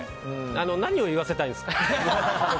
何を言わせたいんですか。